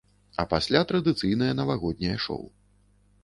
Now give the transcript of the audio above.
А пасля традыцыйнае навагодняе шоу.